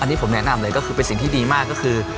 อันนี้ผมแนะนำเลยก็คือเป็นสิ่งที่ดีมากก็คือ